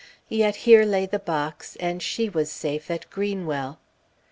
Yet here lay the box, and she was safe at Greenwell!